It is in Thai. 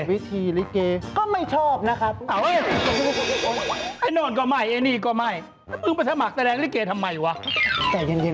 วิธีริเกย์ก็ไม่ชอบนะครับโอ๊ยโอ๊ย